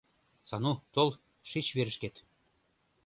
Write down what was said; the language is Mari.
— Сану, тол, шич верышкет.